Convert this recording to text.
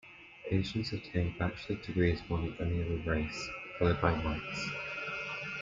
Asians obtained bachelor's degrees more than any other race, followed by Whites.